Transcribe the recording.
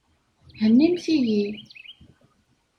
Hennimt-iyi!